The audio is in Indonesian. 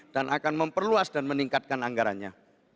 dan akan memperluas dan meningkatkan anggaranya